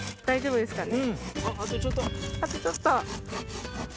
大丈夫ですかね。